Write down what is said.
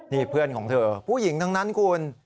นี่เพื่อนของเธอผู้หญิงทั้งนั้นคุณ